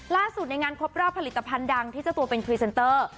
ในงานครบรอบผลิตภัณฑ์ดังที่เจ้าตัวเป็นพรีเซนเตอร์